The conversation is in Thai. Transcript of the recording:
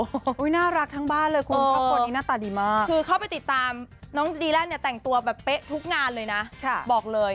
ซึ่งคือนับรักทั้งบ้างเลยดีมาก